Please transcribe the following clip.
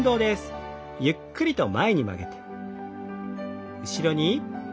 ゆっくりと前に曲げて。